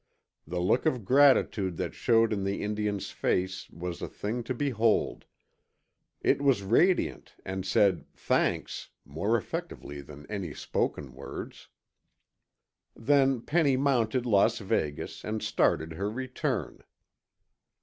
The look of gratitude that showed in the Indian's face was a thing to behold. It was radiant and said "thanks" more effectively than any spoken words. Then Penny mounted Las Vegas and started her return.